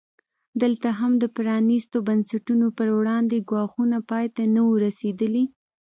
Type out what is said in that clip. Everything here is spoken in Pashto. دلته هم د پرانیستو بنسټونو پر وړاندې ګواښونه پای ته نه وو رسېدلي.